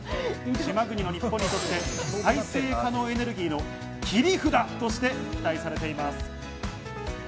島国の日本にとって再生可能エネルギーの切り札として期待されています。